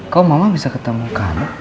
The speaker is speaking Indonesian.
kok mama bisa ketemu kamu